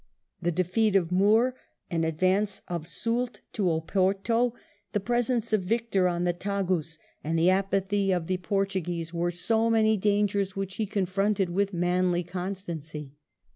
The defeat of Moore, an advance of Soult to Oporto, the presence of Victor on the Tagus, and the apathy of the Portuguese, were so many dangers which he confronted with manly constancy.